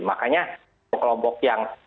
makanya kelompok kelompok yang